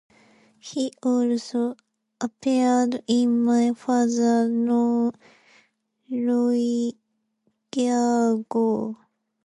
He also appeared in "My Father Knew Lloyd George".